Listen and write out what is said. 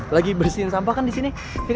lagi bersihin sampah kan disini